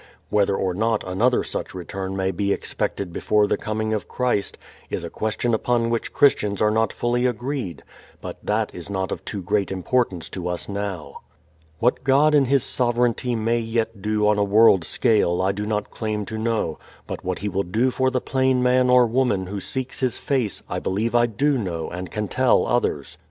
Whether or not another such return may be expected before the coming of Christ is a question upon which Christians are not fully agreed, but that is not of too great importance to us now. What God in His sovereignty may yet do on a world scale I do not claim to know: but what He will do for the plain man or woman who seeks His face I believe I do know and can tell others.